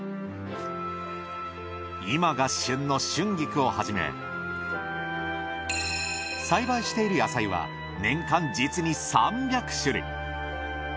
今が旬の春菊をはじめ栽培している野菜は年間実に３００種類。